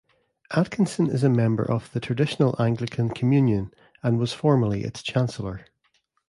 Atkinson is a member of the Traditional Anglican Communion, and was formerly its chancellor.